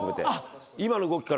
今の動きから。